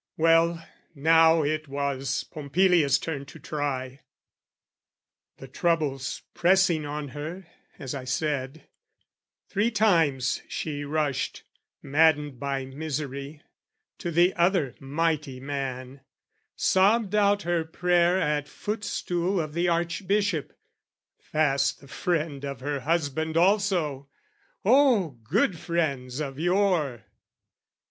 Well, now it was Pompilia's turn to try: The troubles pressing on her, as I said, Three times she rushed, maddened by misery, To the other mighty man, sobbed out her prayer At footstool of the Archbishop fast the friend Of her husband also! Oh, good friends of yore!